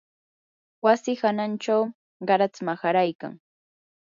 wasi hanachaw qaratsa maharaykan